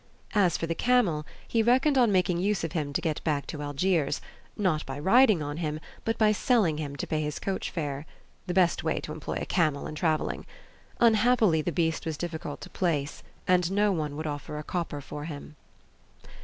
As for the camel, he reckoned on making use of him to get back to Algiers, not by riding on him, but by selling him to pay his coach fare the best way to employ a camel in travelling. Unhappily the beast was difficult to place, and no one would offer a copper for him.